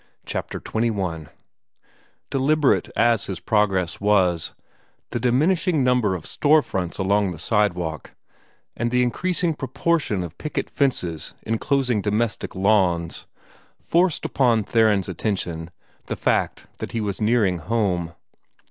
CHAPTER XXI Deliberate as his progress was, the diminishing number of store fronts along the sidewalk, and the increasing proportion of picket fences enclosing domestic lawns, forced upon Theron's attention the fact that he was nearing home.